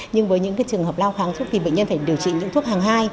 nhưng với những trường hợp lao kháng suốt thì bệnh nhân phải điều trị những thuốc hàng hai